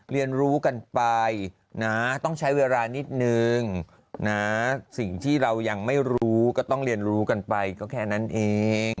เรียนรู้กันไปนะต้องใช้เวลานิดนึงนะสิ่งที่เรายังไม่รู้ก็ต้องเรียนรู้กันไปก็แค่นั้นเอง